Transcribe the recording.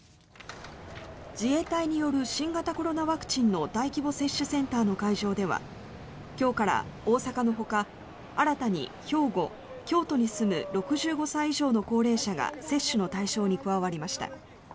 自衛隊による新型コロナワクチンの大規模接種センターの会場では今日から大阪のほか新たに兵庫、京都に住む６５歳以上の高齢者が接種の対象に加わりました。